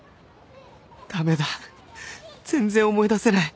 駄目だ全然思い出せない